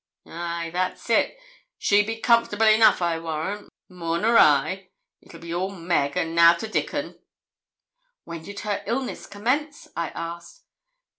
'Ay, that's it; she be comfortable enough, I warrant more nor I. It be all Meg, and nout o' Dickon.' 'When did her illness commence?' I asked.